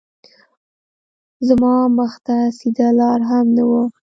زما مخ ته سیده لار هم نه وه